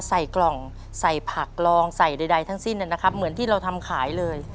ใส่กล่องใส่ผักลองใส่ใดทั้งสิ้นนะครับเหมือนที่เราทำขายเลย